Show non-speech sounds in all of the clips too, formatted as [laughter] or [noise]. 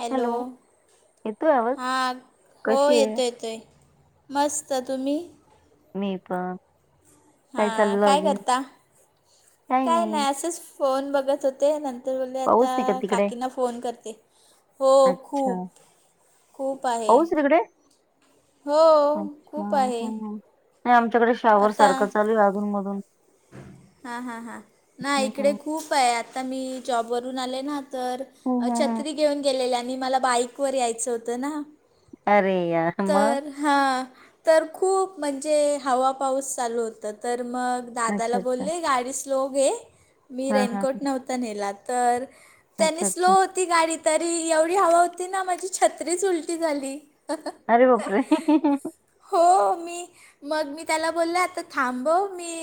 Hello येतोय आवाज हा हो कशी आहे येतोय येतोय मस्त तुम्ही मी प हां काय करता काय नाही असेच फोन बघत होते नंत तर बोले पाऊस आता आहे का तिकडे काकींना फोन करते हो अच्छा खूप खूप आहे पाऊस तिकडे हो अच्छा खूप आहे हम्म. नाही आमच्याकडे शॉवर सारखं चालू आहे अजूनमधून हा हा हा ना इकडे खूप आहे आता मी जॉबवरून आले ना तर हम्म, हम्म, हम्म. छत्री घेऊन गेलेल्या आणि मला बाईक व यायचं होतं ना अरे यार, म तर हां, तर खूप म्हणजे हवा पाऊस चालू होतं, तर मग अच्छा दादाला अच्छा बोलले गाडी स्लो घे, मी हा हा हा. रेनकोट नव्हतं नेला, तर त्यांनी अच्छा स्लो अच्छा होती गाडी तरी, एवढी हवा होती ना, माझी छत्रीच उलटी झाली. अरे बापरे! [unintelligible] हो, मी मग मी त्याला बोलले, आता थांबव की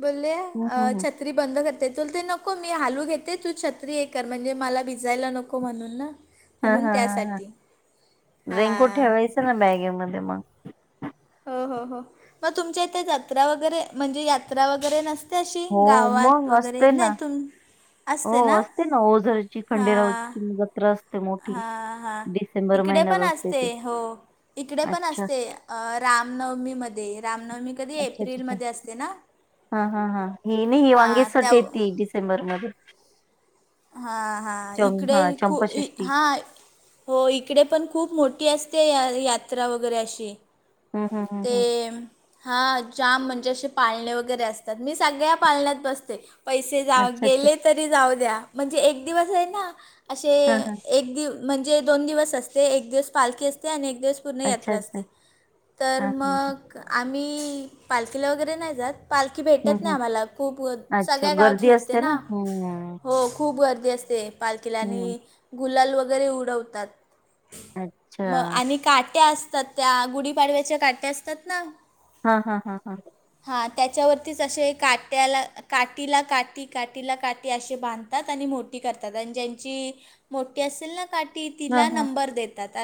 बोलले हम्म, अ छ हम्म. छत्री बंद करते, तर ते नको मी हालू घेते तू छत्री हे कर, म्हणजे मला दिसायला नको, म्हणून ना हा म्हणून हा ह ह, त्यासाठी रेनकोट हां. ठेवायचं ना बॅगेमध्ये मग. हो हो हो, मग तुमच्या इथे जत्रा वगैरे, म्हणजे यात्रा वगैरे नसते तशी हो गावात मग वगैरे, असते नाही ना तुम हो असते ना, ओझरची खंडेरावची असते मोठी हा, हा, डिसेंबर इकडे महिन्यात पण ती असते, हो, इकडे पण अच्छा असते. अ रामनवमीमध्ये, रामनवमी कधी ये? अच्छा अच्छा अच्छा एप्रिलमध्ये असते ना? हा, हा, हा, ही हां त्या [unintelligible] वांगेसाठी येती डिसेंबरमध्ये हा हा, इकडे हा खू, चंपाषष्ठी हा हो, इकडे पण खूप मोठी असते, या यात्रा वगैरे अशी. हम्म हम्म हम्म ते हम्म हा, जाम म्हणजे असे पाळणे वगैरे असतात, मी सगळ्या पाळण्यात बसते. पैसे जाऊ अच्छा अच्छा गेले तरी जाऊ द्या, म्हणजे एक दिवस आहे ना, असे हा हा एक दिव म्हणजे दोन दिवस असते, एक दिवस पालखी असते, आणि एक दिवस पूर्ण अच्छा यात्रा अच्छा असते, तर हा हा मग आम्ही पालखीला वगैरे नाही जात पालखी हम्म भेटत नाही हम्म आम्हाला, खूप व अच्छा सगळ्या गावात गर्दी फिरते असते ना, हम्म हो खूप गर्दी असते पालखीला, हम्म आणि गुलाल वगैरे उडवतात. अच्छा म आणि काट्या असतात त्या, गुढीपाडव्याच्या काट्या असतात ना हा, हा, हा, हा. हा त्याच्यावरतीच असे, काट्याला काटीला-काटी काटीला-काटी, असे बांध तात आणि मोठी करतात, आणि ज्यांची मोठी असेल ना काठी, हा तिला हा नंबर देतात.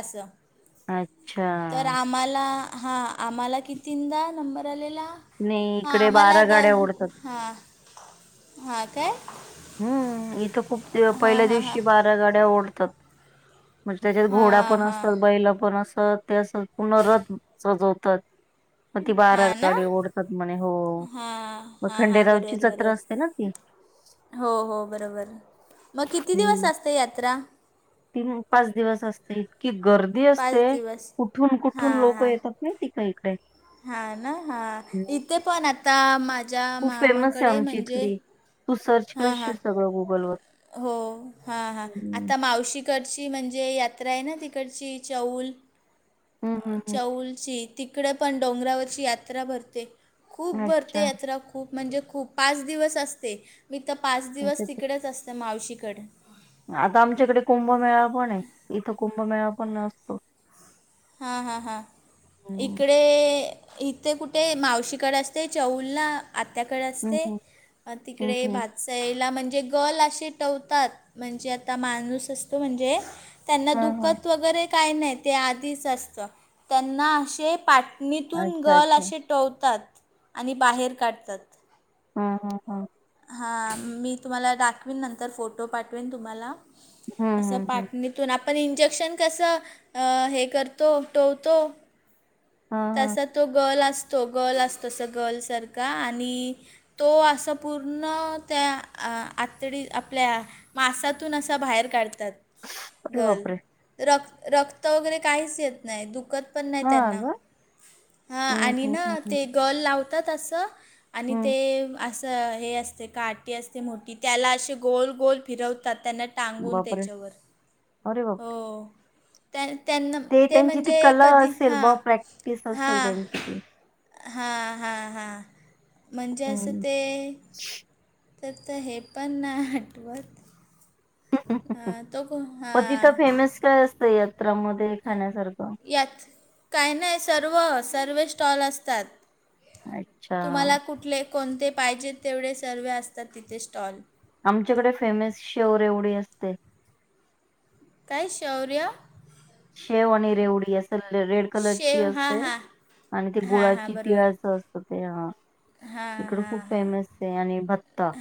अच्छा तर आम्हाला हा आम्हाला कितीदा नंबर आलेला, नाही हां इकडे आम्हाला, बारा द गाड्या ओढतात हां हा काय? हम्म! इथं खूप हां पहिल्या हां हां दिवशी बारा गाड्या ओढतात. म्हणजे त्याच्यात घोडा हां पण हां असतात, बैल पण असतात, ते असं पूर्ण रथ सजवतात. मग ती बारा हां ना गाडी ओढतात म्हणे, हो, हां मग हां हां खंडेरावची बरोबर जत्रा बरोबर असते ना हो, हो, बरोबर, मग किती दिवस असते यात्रा? तीन पाच दिवस असते, इतकी गर्दी पाच असते, दिवस कुठून हां कुठून लोक येतात. [unintelligible] काही काही. हां ना, हां, इथे पण, आता माझ्या खूप फेमस आहे मामाकडे आमची म्हणजे इथली तू सर्च हां हां करशील सगळं गुगलवर हो, हा हा, हम्म. आता मावशीकडची म्हणजे, यात्रा आहे ना तिकडची, चौल हम्म हम्म हम्म. चौलची, तिकडे पण डोंगरावरची यात्रा भरते. खूप भरते अच्छा यात्रा, खूप म्हणजे खूप, पाच दिवस असते. मी तर पाच अच्छा दिवस अच्छा तिकडेच असते, मावशीकडे. आता आमच्याकडे कुंभमेळा पण आहे, इथं कुंभमेळा पण नसतो. हां, हां, हां, हम्म इकडे इथे कुठे मावशीकडे असते, चौलला. आत्याकडे हम्म असते, हम्म हम्म तिकडे हम्म. भाज [unintelligible] म्हणजे गल असे टवतात, म्हणजे आता माणूस असतो म्हणजे त्यांना हा हा दुखत वगैरे काही नाही, ते आधीच असतं, त्यांना असे पाट निथून अच्छा गल अच्छा असे टोवतात आणि बाहेर काढतात हा हा हा हां मी तुम्हाला दाखवेन नंतर फोटो पाठवेन तुम्हाला हम्म असं हम्म हम्म पाठणी आपण इंजेक्शन कसं हे करतो टोवतो हा हा तसा तो गल असतो ो गर्ल अस तस गल सारख आणि तो असं पूर्ण त्या आातडी आपल्या मासातून असं बाहेर काढतात अरे गल बापरे र रक्त वगैरे काहीच येत नाही दुखत पण नाही हा त्यांना ग ह हं, आणि हं, हं, ना हं, ते गल लावतात असं आणि हं. ते अस हे असते काटी असते मोठी त्याला असे गोल गोल फिरवतात त्यांना टांगून बापरे! त्याच्यावर अरे बाप! हो त्यां त्यांना ते त्यांची म्हणजे ती कला कधी असेल हां बुवा, प्रॅक्टिस असेल हां त्यांची ती. हा हा हा म्हणजे असं ते ह् तर तर हे पण नाही हटवक ह तो हा मग तिथं फेमस काय असत यात्रामध्ये खाण्यासारखं यात काही नाही सर्व सर्व स्टॉल असतात तुम्हाला अच्छा. कुठले कोणते पाहिजेत तेवढे सर्वे असतात तिथे स्टॉल आमच्याकडे फेमस शोर एवढी असते काय शौर्य शेव आणि रेवडी अस रेड कलरची शेव हां असते हां आणि ते हां हां गुळाची बरोबर तिळा्याच असत ते हा हां इकड खूप फेमस आहे आणि भत्ता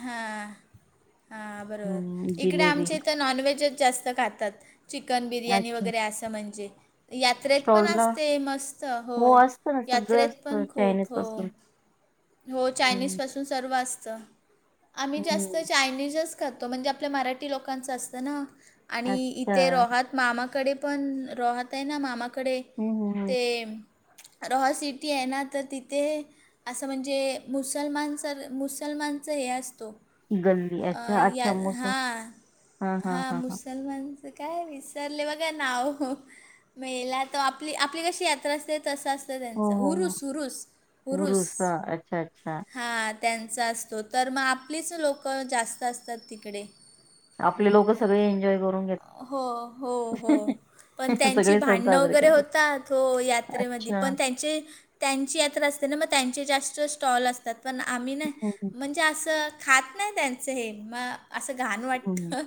हां हं, बरोबर इकडे जिलेबी. आमच्या इथं नॉनव्हेजच जास्त खात चिकन बिर्याणी अच्छा. वगैरे असं म्हणजे यात्रेत पण स्टॉलला असते मस्त हो असतं ना, सगळं यात्रेत पण असतं खूप हो चायनीजपासून. हो चायनीज हं, पासून सर्व असतं आम्ही जास्त हं. चायनीजच खातो म्हणजे आपल्या मराठी लोकांचं असतं ना आणि अच्छा इथे रोहात मामाकडे पण रहत आहे ना मामाकडे हम्म हम्म ते रह सिटी आहे ना तर तिथे असं म्हणजे मुसलमान सर मुसलमानचं हे असतो हम्म. गल्ली अ अच्छा या अच्छा मोसम हा हा मुसलमान काय विचारले बघा नाव मेळेला तर आपली आपली कशी यात्रा असते तसं असतं हो त्यांचं हुरुस हुरुस हुरुस ह अ्छा अच्छा हां त्यांचा असतो तर मग आपलीच लोकं जास्त असतात तिकडे आपले लोक सगळे एन्जॉय करून घेतात हो हो हो पण त्यांची सगळे सण भांडणं साजरे वगैरे करतात होत तो यात्रेमध्ये अच्छा पण त्यांचे त्यांची यात्र असते ना मग त्यांचे जास्त स्टॉल असतात पण आम्ही ना हम्म हम्म म्हणजे असं खात नाही त्यांचं हे मग असं घाण हम्म. वाटतं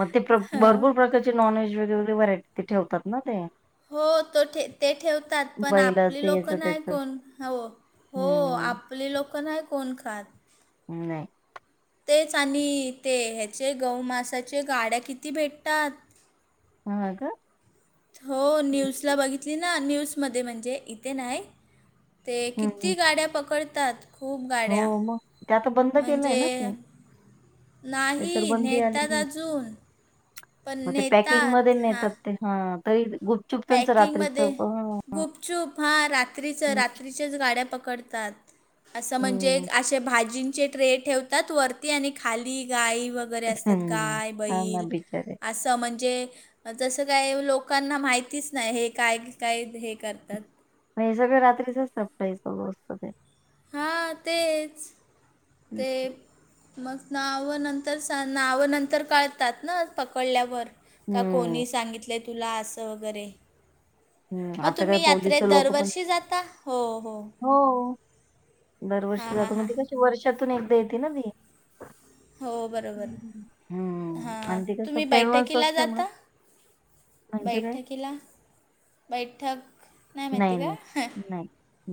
मग ते भरपूर हं. प्रकारचे नॉन व्हेज वेग वग व्हरायटी ते ठेवतात ना ते हो तो ठे ते ठेवतात पण आपली बैलाचं लोक याचं नाही त्याचं कोण हो हो हम्म आपली लोक नाही कोण खात ह् नाही तेच आणि ते ह्याचे गौमासाचे गाड्या किती भेटतात ह हो न्यूजला बघितली ना न्यूजमध्ये म्हणजे इथे नाही ते हम्म. कितती गाड्या पकडतात खूप गाड्या हो मग ते आता बंद केलंय म्हणजे ना ते त्याच्यावर नाही बंदी आलेली नेतात आहे अजून पण मग ते पॅकिंग मध्ये नेतात हा नेतात ते हा त गुप् पॅकिंगमध्ये गुपचूप हा रात्रीचं रात्री गाड पकडतात अस म्हणजे हम्म असे भाजींचे े ठेवतात वरती आणि खाली गाई व वगैरे असतात हम्म गाय हा ना बैल बिचारे असं म्हणजे जसं काय लोकांना माहितीच नाही हे काय काय हे करतात म हे सगळ रात्रीचच सफई सत हां तेच ते मग नावं नंतर नावं नंतर कळतात ना पकडल्यावर का हम्म कोणी सांगितलंय तुला असं वगैरे हम्म मग आता काय तुम्ही पोलिस यात्रेत लोक पण दरवर्षी जाता हो हो हो दरवर्षी हां हां जातो हां मग त कशी वर्षातून एकदा येते ना ती हो बरोबर हम्म हम्म. हां आणि ते कसं तुम्ही फेमस बैठकीला असल्यामुळे जाता म्हणजे काय बैठकीला बैठक नाही माहिती का हां नाही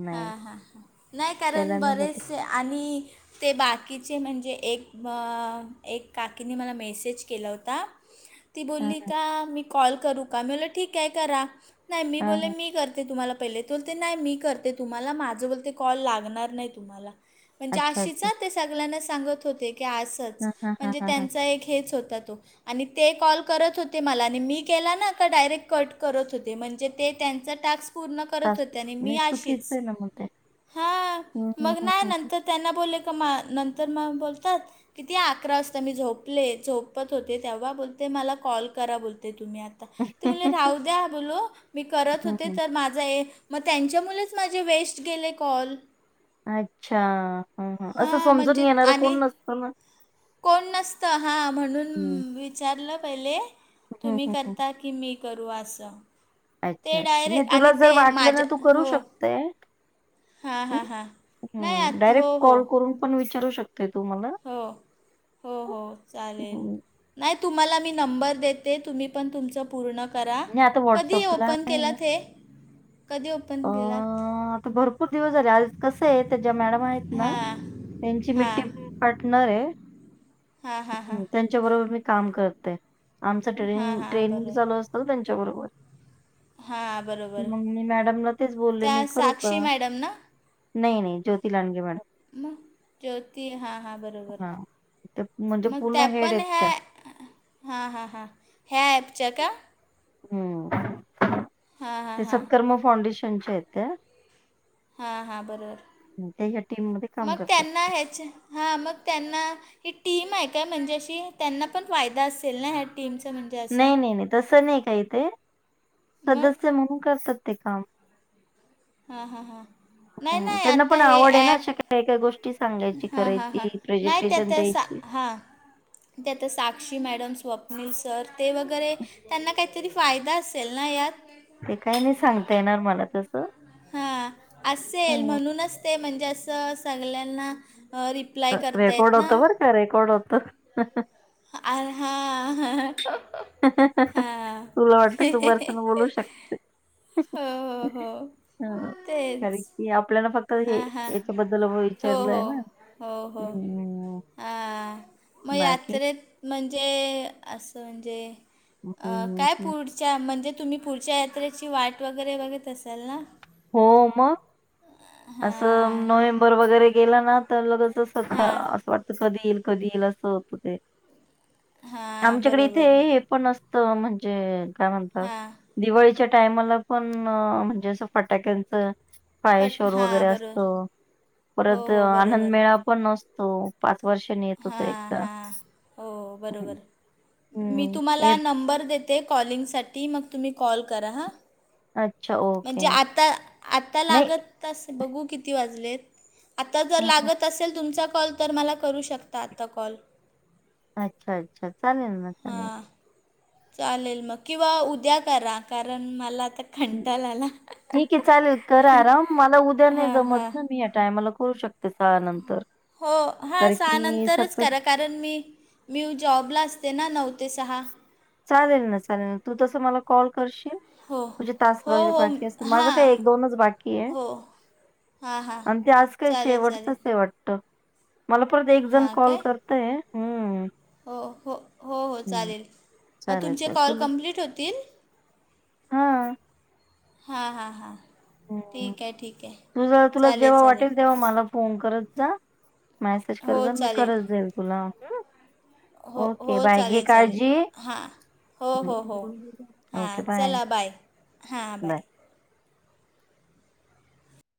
नाही हां हां नाही त्याला कारण नाही जाते बरेचसे आणि ते बाकीचे म्हणजे एक मग एक काकीने मला मेसेज केला होता ती हा बोलली हा का मी कॉल करू का ठीक आहे करा नाही मी हा बो हा मी करते तुम्हाला पहिले बोलते नाही मी करते तुम्हाला माझं बोलते कॉल लागणार नाही तुम्हाला म्हणजे अच्छा अच्छा अशीचा ते सगळ्यांना सांगत होते की आज हा हा हा म्हणजे हा हा त्यांचा एक हेच होता तो आणि ते कॉल करत होते मला आणि मी केला ना का डायरेक्ट कट करत होते म्हणजे ते त्यांचं टास्क पूर्णत तास होत मी नाही अ चुकीचं आहे ना मग ते ह हं, हं, मग हं, हं, न त्यांना बोलले का मा नंतर म बोलतात किती अकरा वाजता मी झोपले झोपत होते तेव्हा बोलते मला कॉल करा बोलते तुम्ही आता ते म्ह राहू द्या बोल मी करत हं, होते हं. तर मा मग त्यांच्या मुळं माझे वेस्ट गेले कॉल अच्छा हा हा असं हां, समजून म्हणजे घेणार आणि कोण नसतं ना कोण नसतं हां म्हणून हं. विचारलं पहिले हं, तुम्ही हं, हं. करतात कि ममी करू असं अच्छा ते अच्छा नाही डायरेक्ट तुला आणि जर ते वाटलं ना माझ्या तू करू हो. शकतेय हां, हां, हां. नाही आत डायरेक्ट हो, कॉल हो. करून पण विचारू शकते तू मला हो हो हो चालेल हं. नाही तुम्हाला मी नंबर देते तुम्ही नाही आता कधी ओपन आहे ना केलात हे आपण अ, दिला आता भरपूर दिवस झाले आज कसं आहे त्या ज्या मॅडम आहेत ना हां त्यांची मी टीम हां पार्टनर आहे हां हां हम्म हां त्यांच्या बरोबर मी काम करते आमच हां ट्रेनि हां ट्रेनिंग बरोबर चालू असत त्यांच्याबरोबर हां बरोबर मग मी मॅडमला तेच बोलले मी त्या करू का? साक्षी मॅडम ना नाही नाही ज्योती लानग मॅडम मग ज्योती हां हां बरोबर हां. ते म्हणजे मग पूर्ण त्या हेड पण आहेत ह्या त्या. हां हां हां ह्या ॲपच्या का हम् हां हां ते हां सत्कर्म फाउंडेशनचे आहेत त्या हां हां बरोबर हम्म, त्या ह्या टीममध्ये काम मग करतात. त्यांना ह्याच हां मग त्यांना ही टीम आहे काय म्हणजे अशी त्यांना पण फायदा असेल ना ह टीमचा म्हणज नाही नाही नाही तसं नाही काही ते मग सदस्य म्हणून करतात ते काम हा हम् हा नाही हं. नाही त्यांना आता पण हे आवड आहे ना ऍप अशा काही काही गोष्टी सांगायची, हा हा हा करायची, नाही त्या प्रेझेंटेशन त्या द्यायची. हां त्यातं साक्षी मॅडम स्वप्नील सर ते वगैरे त्यांना काहीतरी फायदा असेल ना यात. ते काही नाही सांगता येणार मला तस हा असेल म्हणूनच ते म्हणजे असं सगळ्यांना रि रेकॉर्ड होत बरं का रेकॉर्ड होत आ हा ह तुला वाटलं सु बर्सन बोलू शकते हो हो हो हा तेच कारण की आपल्याला फक्त तर हां हां हेच्याबद्दल हो विचारलं आहे हो ना? हो हो हम् हां मग यात्रेत म्हणजे असं म्हणजे काय अ हम्म, पुढ च्या म्हणजे तुम्ही पुढच्या यात्रेची वाट वगैरे बघत असाल ना? हो मग असं हां नोव्हेंबर वगैरे गेला ना तर लगच जस हां असं वाटतं कधी येईल कधी येईल असं होतं ते हां आमच्याकडे इथे बरोबर हे पण असत म्हणजे काय म्हणतात हां दिवाळी च्या टाइमाला पण म्हणजे अस फटाक्यांच पट पायश्वर वगैरे हां असत बरोबर हो परत हो आनंद बरोबर मेळा पण असतो. पाच वर्षानी येत तो हां एकदा. हां हो बरोबर मी हम्म तुम्हाला एअर नंबर देत ते कॉलिंगसाठी मग तुम्ही कॉल करा हा. अच्छा ओ म्हणजे आता आत्ता लागत तास बघू किती वाजलेत आत्ता जर हं, हं. लागत असेल तुमचा कॉल तर मला करू शकता आत्ता कॉल. अच्छा अच्छा चालेल ना. चालेल. हां चालेल मग किंवा उद्या करा कारण मला आता कंटाळा आला ठीक आहे चालेल करा आराम मला उद्या नाही हां जमत हां ना मी या टायमाला करू शकतो ते साहा नंतर हो हा कारण सहा की नंतरच सकाळ करा कारण मी मी जॉबला असते ना नऊ ते सहा. चालेल ना चालेल ना तू तस मला कॉल करशील? हो म्हणजे तास हो हो बाकी असत माझं हां काय एक दोनच बाकी आहे. हो हां हां आणि ते आज काय चालेल शेवटच चालेल हे वाटत मला परत एक जण हां कॉल काय कर हो हो हो हो हं. चालेल मग चालेल, तुमचे चालेल. कॉल कम्प्लीट होतील? हा. हां हां हां. हम् ठीक आहे ठीक आहे तुझ तुला चालेल जेव्हा चालेल वाटेल तेव्हा मला फोन करत जा मॅसेज कर हो जा मी चालेल करत जाईल तुला हम. हो ओके हो बाय घे चालेल चालेल काळजी. हां हो हो हो हां ओके बाय चला बाय.